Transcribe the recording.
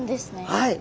はい。